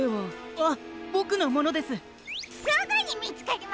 あっ！